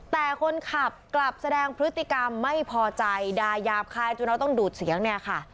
แต่คนขับกลับแสดงพฤติกรรมไม่พอใจด่ายาบคายจนเราต้องดูดเสียงเนี่ยค่ะ